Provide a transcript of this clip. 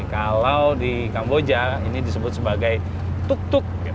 kalau di kamboja ini disebut sebagai tuk tuk